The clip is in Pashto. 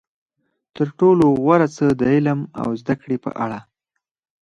تر ټولو غوره څه د علم او زده کړې په اړه.